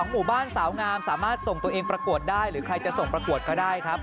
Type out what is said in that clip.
หมู่บ้านสาวงามสามารถส่งตัวเองประกวดได้หรือใครจะส่งประกวดก็ได้ครับ